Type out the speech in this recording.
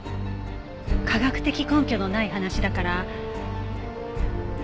科学的根拠のない話だから。